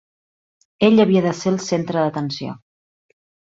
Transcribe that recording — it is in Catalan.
Ell havia de ser el centre d'atenció.